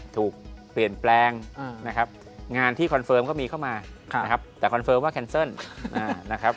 ถูกเปลี่ยนแปลงนะครับงานที่คอนเฟิร์มก็มีเข้ามานะครับแต่คอนเฟิร์มว่าแคนเซิลนะครับ